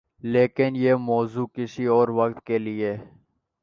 لیکن یہ موضوع کسی اور وقت کے لئے۔